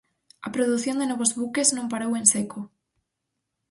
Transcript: A produción de novos buques non parou en seco.